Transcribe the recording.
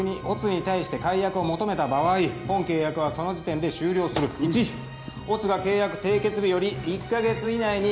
「乙に対して解約を求めた場合」「本契約はその時点で終了する」と「一乙が契約締結日より一カ月以内に」